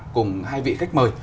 cùng hai vị khách mời